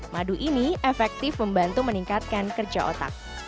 madu ini efektif membantu meningkatkan kerja otak